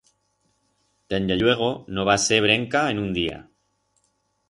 Dende lluego no va ser brenca en un día.